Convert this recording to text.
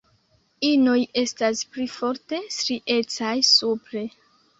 Inoj estas pli forte striecaj supre.